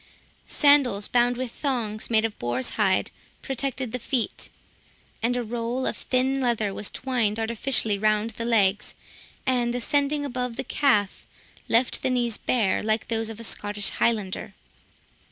Sandals, bound with thongs made of boars' hide, protected the feet, and a roll of thin leather was twined artificially round the legs, and, ascending above the calf, left the knees bare, like those of a Scottish Highlander.